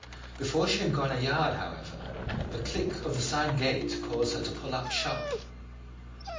Before she had gone a yard, however, the click of the side gate caused her to pull up sharp.